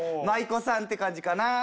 舞妓さんって感じかな。